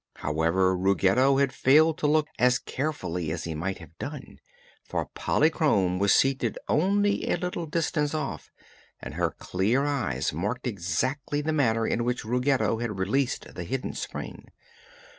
However, Ruggedo had failed to look as carefully as he might have done, for Polychrome was seated only a little distance off and her clear eyes marked exactly the manner in which Ruggedo had released the hidden spring.